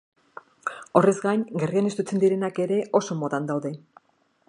Horrez gain, gerrian estutzen direnak ere oso modan daude.